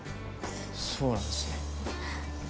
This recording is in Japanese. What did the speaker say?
そうなんですね。